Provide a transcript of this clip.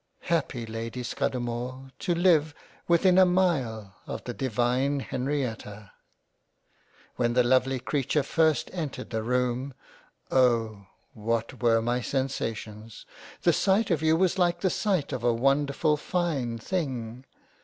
Happy Lady Scudamore to live within a mile of the divine Henrietta ! When the lovely Creature first entered the room, oh ! what were my 117 £ JANE AUSTEN sensations ? The sight of you was like the sight of a wonder ful fine Thing.